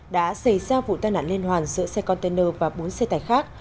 đã xảy ra vụ tai nạn liên hoàn giữa xe container và bốn xe tải khác